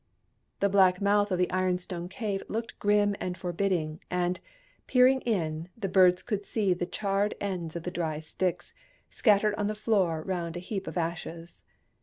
The black mouth of the ironstone cave looked grim and forbidding, and, peering in, the birds could see the charred ends of the dry sticks, scattered on the floor round a heap of ashes.